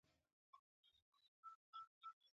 وې ئې چې " دیاړۍ له لاړ شم ـ